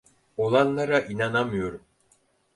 Olanlara inanamıyorum.